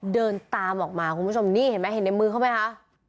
เดินตามออกมาคุณผู้ชมนี่เห็นไหมเห็นในมือเขาไหมคะ